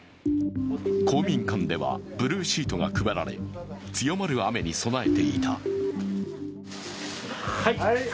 公民館ではブルーシートが配られ強まる雨に備えていた。